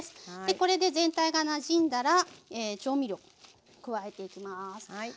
これで全体がなじんだら調味料を加えていきます。